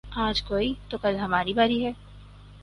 آج کوئی تو کل ہماری باری ہے